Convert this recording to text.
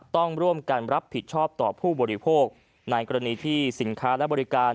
ต้องร่วมกันรับผิดชอบต่อผู้บริโภคในกรณีที่สินค้าและบริการ